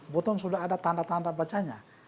buton sudah ada tanda tanda bacanya